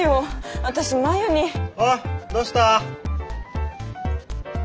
おいどうした？